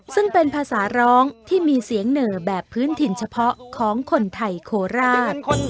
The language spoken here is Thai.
ซึ่งเป็นภาษาร้องที่มีเสียงเหน่อแบบพื้นถิ่นเฉพาะของคนไทยโคราช